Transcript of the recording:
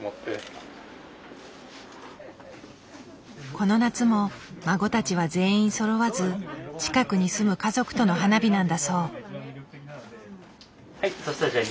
この夏も孫たちは全員そろわず近くに住む家族との花火なんだそう。